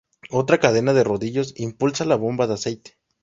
Otra cadena de rodillos impulsa la bomba de aceite.